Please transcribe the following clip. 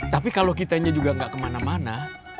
tapi kalo kitanya juga gak kemana mana